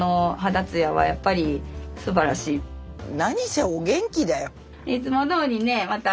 何せお元気だよ。